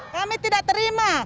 kami tidak terima